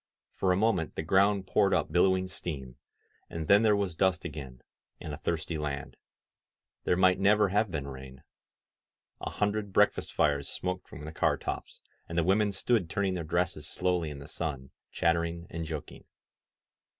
For a moment the ground poured up billowing steam, and then there was dust again, and a thirsty land. There might never have been rain. A hundred breakfast fires smoked from the car tops, and the women stood turning their dresses slowly in the sun, chattering and joking.